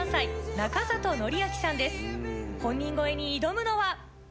本人超えに挑むのは。